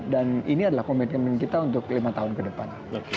dan ini adalah komitmen kita untuk lima tahun ke depan